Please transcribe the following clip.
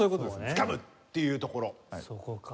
つかむっていうところ。